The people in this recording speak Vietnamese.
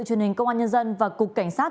truyền hình công an nhân dân và cục cảnh sát